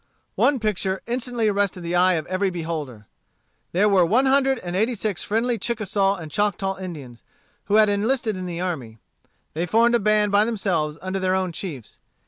One picture instantly arrested the eye of every beholder. There were one hundred and eighty six friendly Chickasaw and Choctaw Indians, who had enlisted in the army. They formed a band by themselves under their own chiefs.